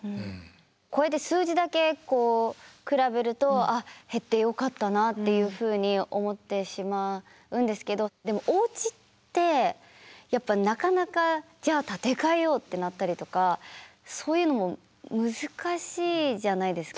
こうやって数字だけ比べるとあっ減ってよかったなっていうふうに思ってしまうんですけどでもおうちってやっぱなかなかじゃあ建て替えようってなったりとかそういうのも難しいじゃないですか。